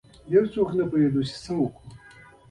هیڅ څوک نه پوهیږي څه وکړي.